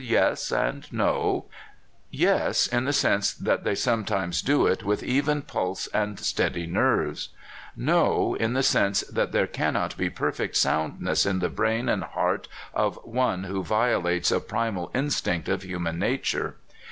Yes and No. Yes, in the sense that they some times do it with even pulse and steady nerves. No, in the sense that there cannot be perfect soundness in the brain and heart of one who vio lates a primal instinct of human nature.